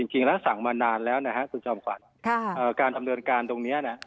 จริงแล้วสั่งมานานแล้วนะครับการทำเริ่มการตรงนี้